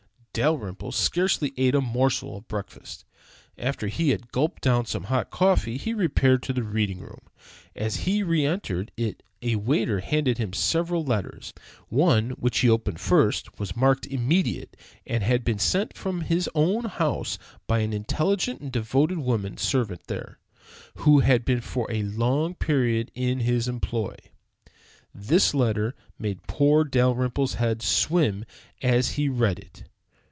Dalrymple scarcely ate a morsel of breakfast. After he had gulped down some hot coffee he repaired to the reading room. As he re entered it a waiter handed him several letters. One, which he opened first, was marked "immediate," and had been sent him from his own house by an intelligent and devoted woman servant there, who had been for a long period in his employ. This letter made poor Dalrymple's head swim as he read it.